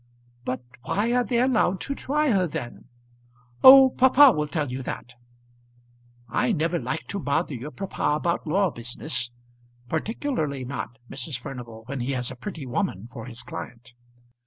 "But why are they allowed to try her then?" "Oh, papa will tell you that." "I never like to bother your papa about law business." Particularly not, Mrs. Furnival, when he has a pretty woman for his client!